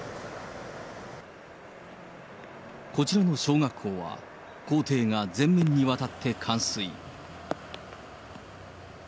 こちらの小学校は、校庭が全面にわたって冠水。